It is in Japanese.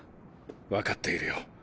分かっているよ。